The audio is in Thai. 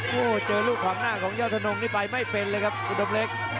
โอ้โหเจอลูกขวางหน้าของยอดธนงนี่ไปไม่เป็นเลยครับอุดมเล็ก